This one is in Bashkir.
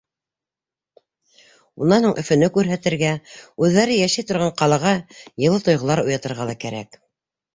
Унан һуң Өфөнө күрһәтергә, үҙҙәре йәшәй торған ҡалаға йылы тойғолар уятырға ла кәрәк.